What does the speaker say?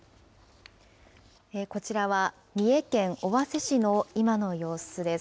こちらは三重県尾鷲市の今の様子です。